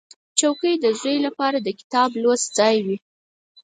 چوکۍ د زوی لپاره د کتاب لوست ځای وي.